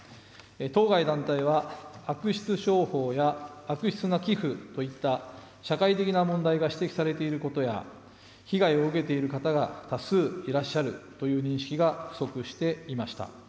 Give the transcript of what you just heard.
当該団体は悪質商法や悪質な寄付といった社会的な問題が指摘されていることや、被害を受けている方が多数いらっしゃるという認識が不足していました。